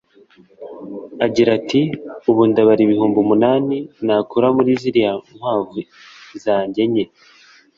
Agira ati “Ubu ndabara ibihumbi umunani nakura muri ziriya nkwavu zanjye enye